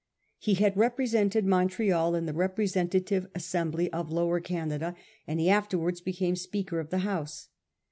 He had represented Montreal in the Representative Assembly of Lower Canada, and he afterwards became Speaker of the House.